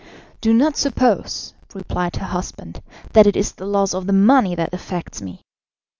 "Do not suppose," replied her husband, "that it is the loss of the money that affects me.